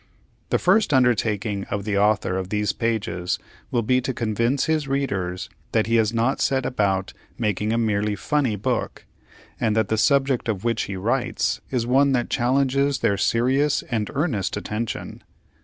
The first undertaking of the author of these pages will be to convince his readers that he has not set about making a merely funny book, and that the subject of which he writes is one that challenges their serious and earnest attention.